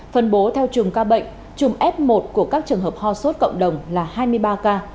phân bố theo chùm ca bệnh chùm f một của các trường hợp ho sốt cộng đồng là hai mươi ba ca